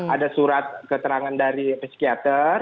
ada surat keterangan dari psikiater